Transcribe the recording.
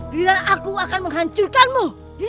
bila aku akan menghancurkanmu